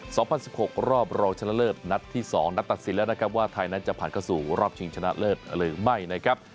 สองพันสิบหกรอบรองชนะเลิศนัดที่สองนัดตัดสินแล้วนะครับว่าไทยนั้นจะผ่านเข้าสู่รอบชิงชนะเลิศหรือไม่นะครับ